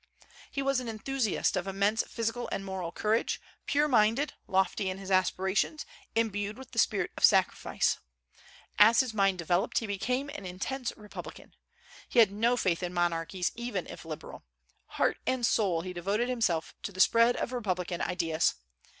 He was an enthusiast of immense physical and moral courage, pure minded, lofty in his aspirations, imbued with the spirit of sacrifice. As his mind developed, he became an intense republican. He had no faith in monarchies, even if liberal. Heart and soul he devoted himself to the spread of republican ideas.